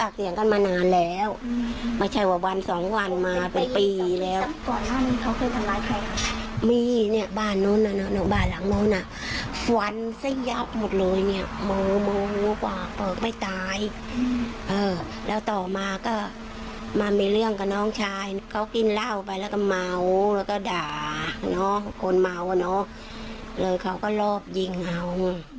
กินเหล้าไปแล้วก็เมาแล้วก็ด่าเนาะคนเมาเนาะเลยเขาก็รอบยิงเอา